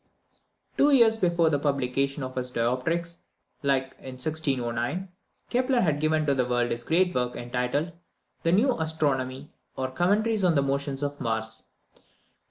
Two years before the publication of his Dioptrics, viz. in 1609, Kepler had given to the world his great work, entitled "The New Astronomy, or Commentaries on the Motions of Mars."